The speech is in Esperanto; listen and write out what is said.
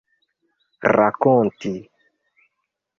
rakonti